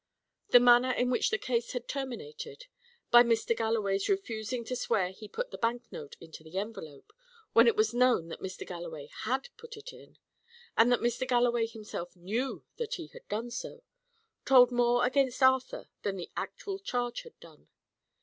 The manner in which the case had terminated by Mr. Galloway's refusing to swear he put the bank note into the envelope, when it was known that Mr. Galloway had put it in, and that Mr. Galloway himself knew that he had done so told more against Arthur than the actual charge had done.